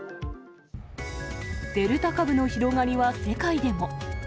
デルタ株の広がりは世界でも。